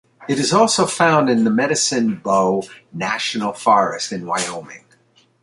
It is also found in the Medicine Bow National Forest in Wyoming.